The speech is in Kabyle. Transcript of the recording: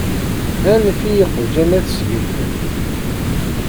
Anef i yeqjan ad ssgelfen.